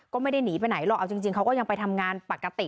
ก็ไม่ได้หนีไปไหนหรอกเอาจริงเขาก็ยังไปทำงานปกติ